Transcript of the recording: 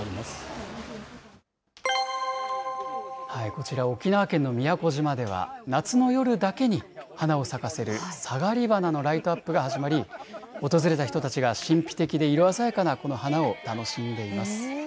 こちら、沖縄県の宮古島では、夏の夜だけに花を咲かせる、サガリバナのライトアップが始まり、訪れた人たちが、神秘的で色鮮やかなこの花を楽しんでいます。